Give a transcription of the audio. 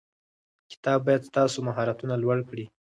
کتاب باید ستاسو مهارتونه لوړ کړي.